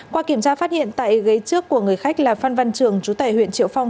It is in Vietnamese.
qua kiểm tra phát hiện tại ghế trước của người khách là phan văn trường chú tài huyện triệu phong